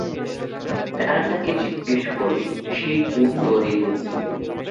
তারা তাকে জিজ্ঞাসা করে সে কোন দলে যোগ দেবে।